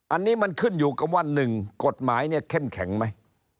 อันนี้มันขึ้นอยู่กับว่า๑กฎหมายเนี่ยเข้มแข็งไหม